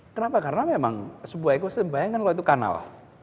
kenapa karena memang sebuah ekosistem bayangkan kalau itu kanal